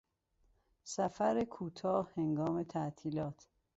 سفر کوتاه هنگام تعطیلات